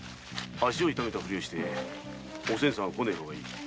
足を痛めたフリをしてあんたは来ねぇ方がいい。